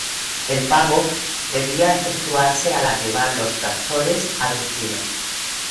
El pago debía efectuarse al arribar los tractores a destino.